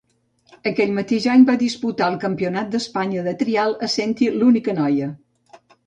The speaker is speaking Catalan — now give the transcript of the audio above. Aquell mateix any va disputar el Campionat d'Espanya de trial, essent-hi l'única noia.